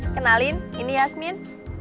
kenalin ini yasmin